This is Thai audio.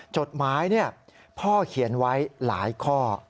จดหมายพ่อเขียนไว้หลายข้อ